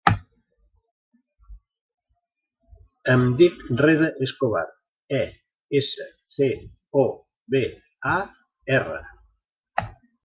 Em dic Reda Escobar: e, essa, ce, o, be, a, erra.